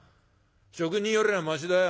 職人よりはましだよ。